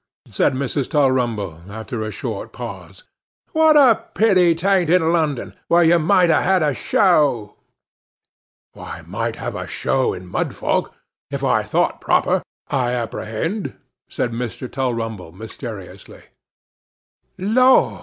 said Mrs. Tulrumble, after a short pause; 'what a pity 'tan't in London, where you might have had a show.' 'I might have a show in Mudfog, if I thought proper, I apprehend,' said Mr. Tulrumble mysteriously. 'Lor!